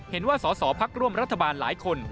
เห็นว่าสอพักร่วมรัฐบาลหลายคน